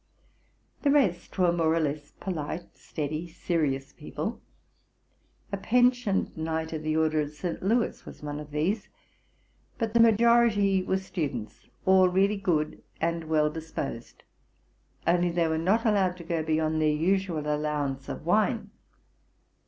The rest were more or less polite, steady, serious people. A pensioned knight of the order of St. Louis was one of these: but the majority were students, all really good and well disposed ; only they were not allowed to go beyond their usual allowance of wine.